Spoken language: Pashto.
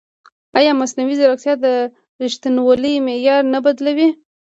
ایا مصنوعي ځیرکتیا د ریښتینولۍ معیار نه بدلوي؟